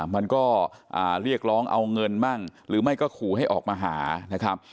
มันก็เรียกร้องเอาเงินมั่งหรือไม่ก็ขู่ให้ออกมาหานะครับ